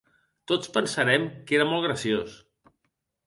Tots pensarem que era molt graciós.